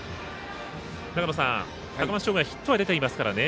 高松商業はヒットは出ていますからね。